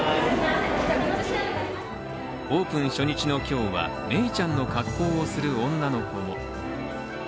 オープン初日の今日は、メイちゃんの格好をする女の子も。